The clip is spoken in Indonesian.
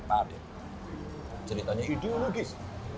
padahal ceritanya ideologis